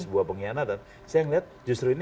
sebuah pengkhianatan saya melihat justru ini